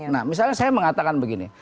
nah misalnya saya mengatakan begini